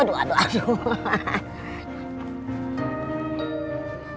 aduh aduh aduh